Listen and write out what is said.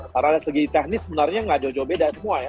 karena dari segi teknis sebenarnya nggak jauh jauh beda semua ya